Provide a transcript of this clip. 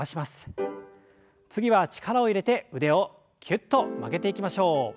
次は力を入れて腕をきゅっと曲げていきましょう。